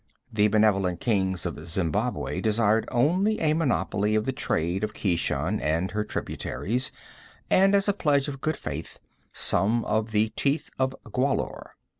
The benevolent kings of Zembabwei desired only a monopoly of the trade of Keshan and her tributaries and, as a pledge of good faith, some of the Teeth of Gwahlur.